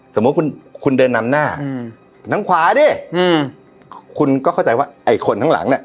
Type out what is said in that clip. สมมุติคุณคุณเดินนำหน้าอืมทางขวาดิอืมคุณก็เข้าใจว่าไอ้คนทั้งหลังเนี่ย